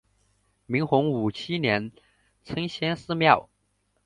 明洪武七年称先师庙。